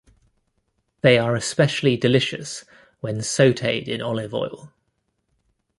They are especially delicious when sauteed in olive oil.